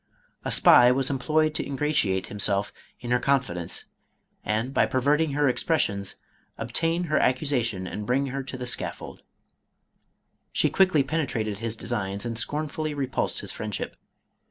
A spy was employed to ingratiate himself in her confidence and by pervert ing her expressions, obtain her accusation and bring her to the scaffold. She quickly .penetrated his designs and scornfully repulsed his friendship.